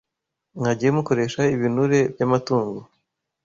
Mwagiye mukoresha ibinure by’amatungo